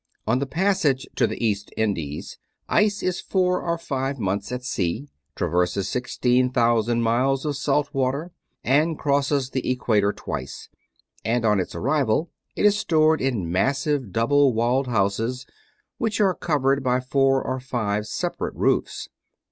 On the passage to the East Indies, ice is four or five months at sea, traverses sixteen thousand miles of salt water, and crosses the equator twice; and on its arrival it is stored in massive double walled houses, which are covered by four or five separate roofs.